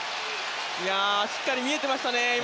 しっかり見えていましたね